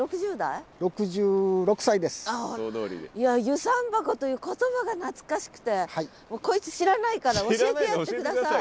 遊山箱という言葉が懐かしくてこいつ知らないから教えてやって下さい。